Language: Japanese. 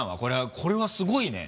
これはすごいね！